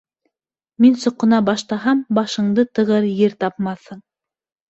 Мин соҡона баштаһам, башыңды тығыр ер тапмаҫһың!